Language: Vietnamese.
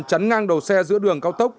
chắn ngang đầu xe giữa đường cao tốc